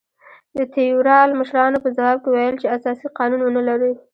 د تیورال مشرانو په ځواب کې ویل چې اساسي قانون ونه لرو.